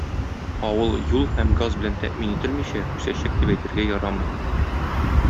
Авыл юл һәм газ белән тәэмин ителмичә, үсәчәк дип әйтергә ярамый.